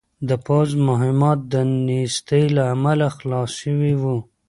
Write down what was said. د پوځ مهمات د نېستۍ له امله خلاص شوي وو.